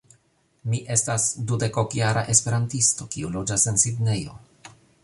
Mi estas dudek-ok jara Esperantisto, kiu loĝas en Sidnejo.